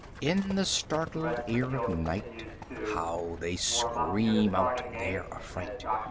In the startled ear of night How they scream out their affright!